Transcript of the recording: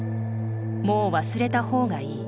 「もう忘れたほうがいい」。